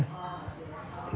thì bắt đầu